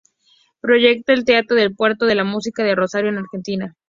Proyecta el Teatro del Puerto de la Música de Rosario, en Argentina.